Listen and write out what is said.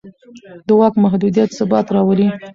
د واک محدودیت ثبات راولي